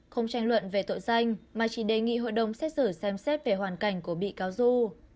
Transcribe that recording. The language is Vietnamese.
không tranh luận về tội danh mà chỉ đề nghị hội đồng xét xử xem xét về hoàn cảnh của bị cáo du